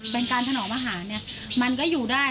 เป็นการถนอมอาหารเนี่ยมันก็อยู่ได้